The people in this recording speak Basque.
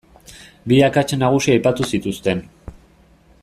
Bi akats nagusi aipatu zituzten.